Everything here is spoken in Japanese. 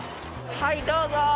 はいどうぞ。